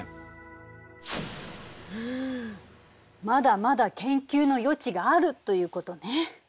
うんまだまだ研究の余地があるということね。